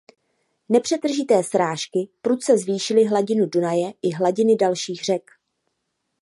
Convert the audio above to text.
Nepřetržité srážky prudce zvýšily hladinu Dunaje i hladiny dalších řek.